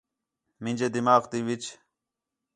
مینجے دماغ تی وِچ